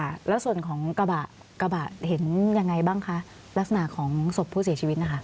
ค่ะแล้วส่วนของกระบะกระบะเห็นยังไงบ้างคะลักษณะของศพผู้เสียชีวิตนะคะ